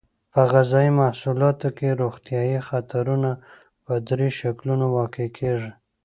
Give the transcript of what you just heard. په غذایي محصولاتو کې روغتیایي خطرونه په دریو شکلونو واقع کیږي.